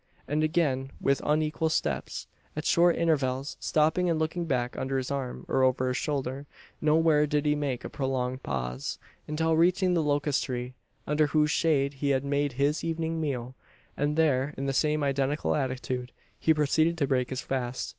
And again with unequal steps: at short intervals stopping and looking back under his arm, or over his shoulder. Nowhere did he make a prolonged pause; until reaching the locust tree, under whose shade he had made his evening meal; and there, in the same identical attitude, he proceeded to break his fast.